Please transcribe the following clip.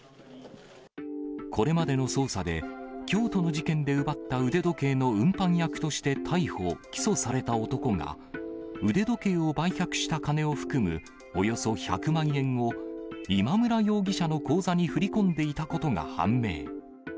これまでの捜査で、京都の事件で奪った腕時計の運搬役として逮捕・起訴された男が、腕時計を売却した金を含むおよそ１００万円を、今村容疑者の口座に振り込んでいたことが判明。